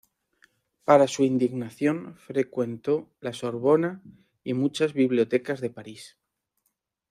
Para su indagación, frecuentó la Sorbona y muchas bibliotecas de París.